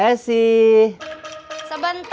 ya udah aku tunggu